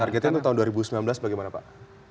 targetnya untuk tahun dua ribu sembilan belas bagaimana pak